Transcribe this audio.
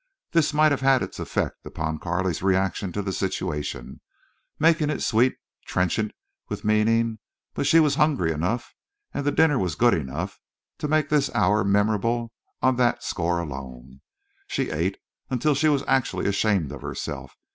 This might have had its effect upon Carley's reaction to the situation, making it sweet, trenchant with meaning, but she was hungry enough and the dinner was good enough to make this hour memorable on that score alone. She ate until she was actually ashamed of herself.